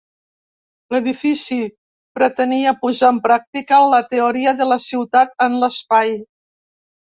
L'edifici pretenia posar en pràctica la teoria de la Ciutat en l'espai.